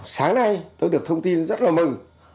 sáng nay tôi được thông tin rất là mừng